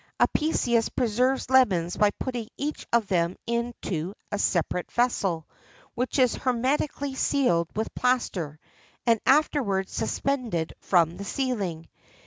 Apicius preserves lemons by putting each of them into a separate vessel, which is hermetically sealed with plaster, and afterwards suspended from the ceiling.